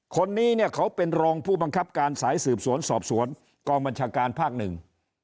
คนนี้เนี่ยเขาเป็นรองผู้บังคับการสายสืบสวนสอบสวนกองบัญชาการภาคหนึ่ง